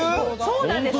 そうなんです。